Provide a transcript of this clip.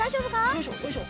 よいしょよいしょ。